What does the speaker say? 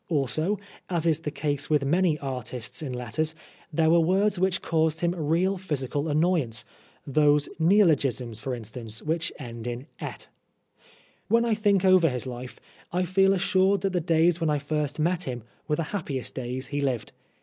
Also, as is the case with many artists in letters, there were words which caused him real physical annoyance those neologisms, for instance, which end in ' ette.' When I think over his life, I feel assured that the days when I first met him were the happiest days he lived.